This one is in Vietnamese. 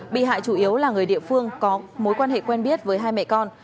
bị hại chủ yếu là người địa phương có mối quan hệ quen biết với hai mẹ con